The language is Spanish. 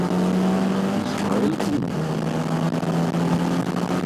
Israel Un.